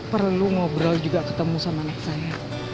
perlu ngobrol juga ketemu sama anak saya